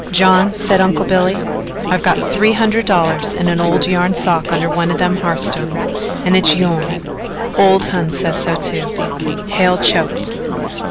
"John," said Uncle Billy, "I've got three hundred dollars in a old yarn sock under one of them hearthstones and its yourn. Ole Hon says so too." Hale choked.